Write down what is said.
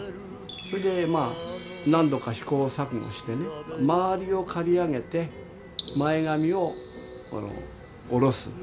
それで何度か試行錯誤してまわりを刈り上げて前髪を下ろす。